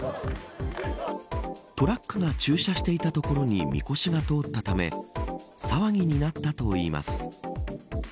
トラックが駐車していたところにみこしが通ったため騒ぎになったといいます。